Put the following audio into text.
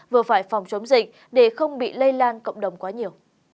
vừa phải phòng chống dịch để không bị lây lan cộng đồng quá nhiều